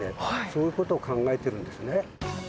そういうことを考えてるんですね。